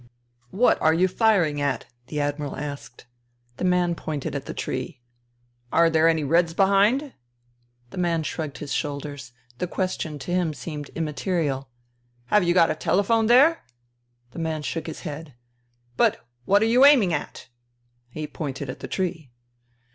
" What are you firing at ?" the Admiral asked. The man pointed at the tree. INTERVENING IN SIBERIA 173 " Are there any Reds behind ?" The man shrugged his shoulders. The question to him seemed immaterial. " Have you got a telephone there ?'* The man shook his head. " But what are you aiming at ?" He pointed at the tree.